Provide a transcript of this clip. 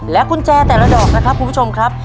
กุญแจแต่ละดอกนะครับคุณผู้ชมครับ